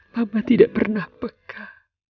mama tidak pernah peka